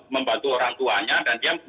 membantu orang tuanya dan dia